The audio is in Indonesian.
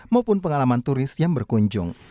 maupun pengalaman turis yang berkunjung